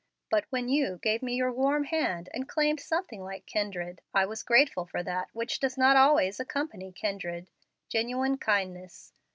But when you gave me your warm hand and claimed something like kindred, I was grateful for that which does not always accompany kindred, genuine kindness.